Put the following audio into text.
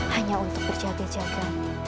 hanya untuk berjaga jaga